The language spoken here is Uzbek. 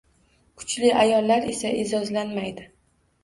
Kuchli ayollar esa eʼzozlanmaydi.